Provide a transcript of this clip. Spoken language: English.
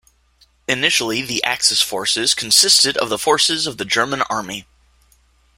Initially the Axis forces consisted of the forces of the German army.